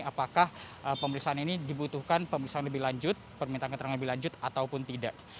apakah pemeriksaan ini dibutuhkan pemeriksaan lebih lanjut permintaan keterangan lebih lanjut ataupun tidak